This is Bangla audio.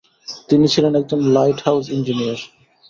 তিনি ছিলেন একজন লাইট হাউজ ইঞ্জিনিয়ার।